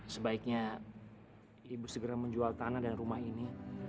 sebaiknya ibu segera menjual tanah dan rumah ini